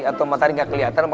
atau matahari tidak kelihatan